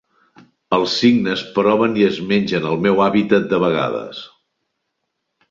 Els cignes proven i es mengen el meu hàbitat de vegades.